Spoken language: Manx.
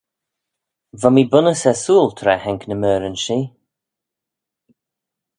Va mee bunnys ersooyl tra haink ny meoiryn-shee.